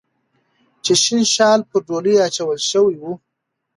چې شین شال پر ډولۍ اچول شوی و